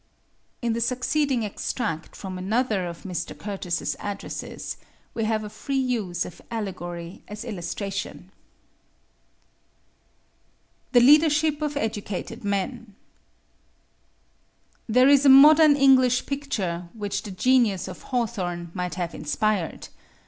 In the succeeding extract from another of Mr. Curtis's addresses, we have a free use of allegory as illustration: THE LEADERSHIP OF EDUCATED MEN There is a modern English picture which the genius of Hawthorne might have inspired.